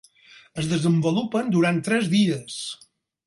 Es desenvolupen durant tres dies.